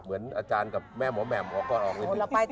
เหมือนอาจารย์กับแม่หมอแหม่มหมอก่อนออกเลย